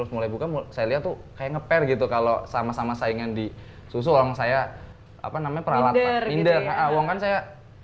mbak permisi apa namanya